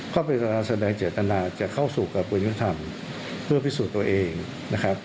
ก็เป็นการแสดงเจตนาจะเข้าสู่กระบวนยุธรรมเพื่อพิสูจน์ตัวเองนะครับ